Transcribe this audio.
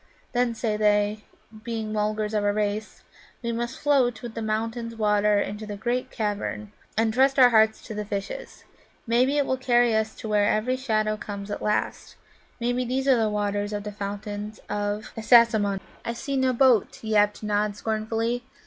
Then, say they, being Mulgars of a race, we must float with the mountain water into the great cavern, and trust our hearts to the fishes. Maybe it will carry us to where every shadow comes at last; maybe these are the waters of the Fountains of Assasimmon." "I see no boat," yapped Nod scornfully.